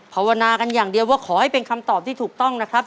ภาวนากันอย่างเดียวว่าขอให้เป็นคำตอบที่ถูกต้องนะครับ